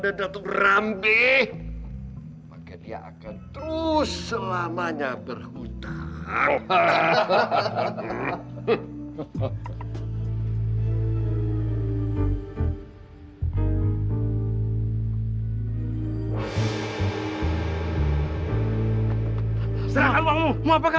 tapi datuk aku mau istirahat dulu ya pak rt kamu betul betul lihat sendiri kan